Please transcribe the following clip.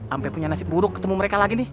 sampai punya nasib buruk ketemu mereka lagi nih